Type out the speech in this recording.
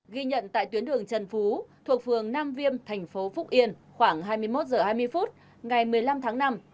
ghi nhận tại tuyến đường trần phú thuộc phường nam viêm thành phố phúc yên khoảng hai mươi một h hai mươi phút ngày một mươi năm tháng năm